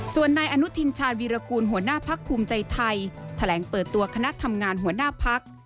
ส่วนนายอนุทินชาญวีรกูลหัวหน้าพักภูมิใจไทยแถลงเปิดตัวคณะทำงานหัวหน้าพัก